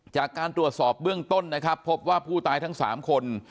จากการตรวจสอบเบื้องต้นนะครับพบว่าผู้ตายทั้ง๓คน